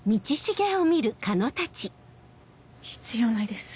必要ないです。